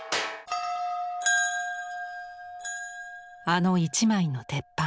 あの一枚の鉄板。